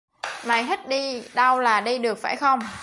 Mày thích đi đâu là đi được phải không